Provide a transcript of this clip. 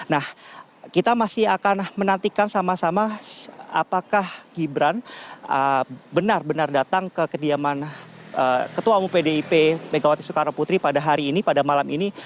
nah kita masih akan menantikan sama sama apakah gibran benar benar datang ke kediaman ketua umum pdip megawati soekarno putri pada hari ini pada malam ini